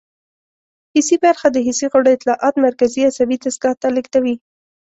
حسي برخه د حسي غړو اطلاعات مرکزي عصبي دستګاه ته لیږدوي.